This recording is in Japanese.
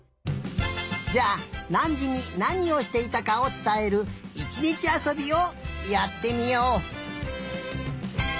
じゃあなんじになにをしていたかをつたえるいちにちあそびをやってみよう。